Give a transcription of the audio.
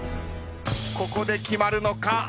ここで決まるのか？